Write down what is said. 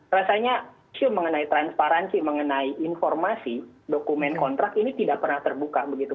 rasanya isu mengenai transparansi mengenai informasi dokumen kontrak ini tidak pernah terbuka begitu